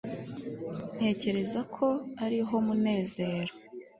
ntekereza ko ariho munezero